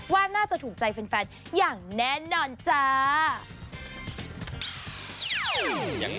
ว่าน่าจะถูกใจแฟนอย่างแน่นอนจ้า